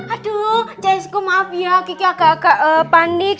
aduh jasku maaf ya kiki agak agak panik